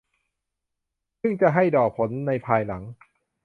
ซึ่งก็จะให้ดอกผลในภายหลัง